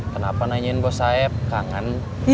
kenapa nanyain bos sayap kangen